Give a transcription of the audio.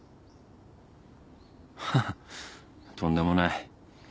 ハハとんでもない。